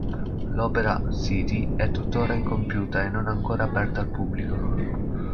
L'opera "City" è tuttora incompiuta e non ancora aperta al pubblico.